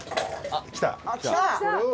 「あっきた！」